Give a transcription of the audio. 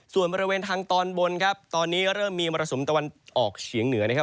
ส่วนบริเวณทางตอนบนครับตอนนี้เริ่มมีมรสุมตะวันออกเฉียงเหนือนะครับ